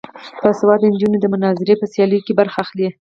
باسواده نجونې د مناظرې په سیالیو کې برخه اخلي.